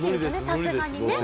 さすがにね。